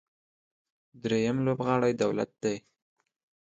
درېیم لوبغاړی دولت دی.